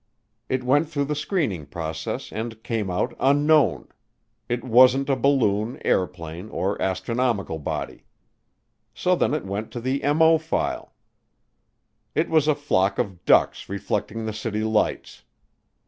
It went through the screening process and came out "Unknown"; it wasn't a balloon, airplane, or astronomical body. So then it went to the MO file. It was a flock of ducks reflecting the city lights.